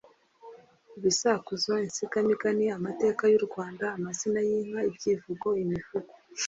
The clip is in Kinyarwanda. ibisakuzo, insigamigani, amateka y'u Rwanda, amazina y'inka, ibyivugo, imivugo